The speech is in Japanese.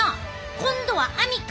今度は網か？